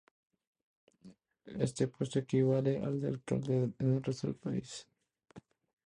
Este puesto equivale al de alcalde en el resto de países.